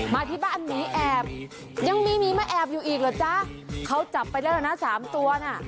มาที่บ้านหมีแอบยังมีหมีมาแอบอยู่อีกเหรอจ๊ะเขาจับไปแล้วนะสามตัวน่ะ